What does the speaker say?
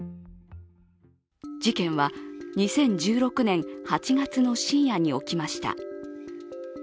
事件は２０１６年８月の深夜に起きました。